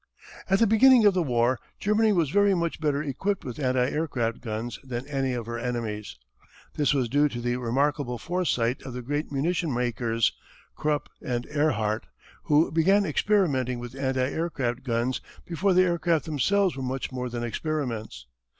At the beginning of the war Germany was very much better equipped with anti aircraft guns than any of her enemies. This was due to the remarkable foresight of the great munition makers, Krupp and Ehrhardt, who began experimenting with anti aircraft guns before the aircraft themselves were much more than experiments.